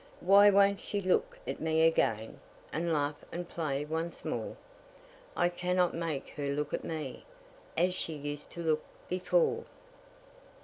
Why won't she look at me again, And laugh and play once more? I cannot make her look at me As she used to look before.